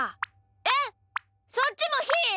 えっそっちもひー？